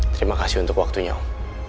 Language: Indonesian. terima kasih untuk waktunya om